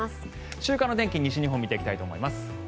週間の天気、西日本から見ていきたいと思います。